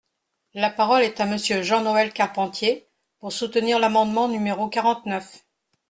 La parole est à Monsieur Jean-Noël Carpentier, pour soutenir l’amendement numéro quarante-neuf.